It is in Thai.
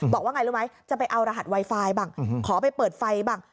บอกว่าไงรู้ไหมจะไปเอารหัสไวไฟบ้างขอไปเปิดไฟบ้าง